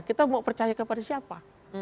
kita mau percaya kepada siapa